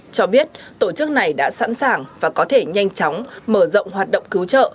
cho biết tổ chức này đã sẵn sàng và có thể nhanh chóng mở rộng hoạt động cứu trợ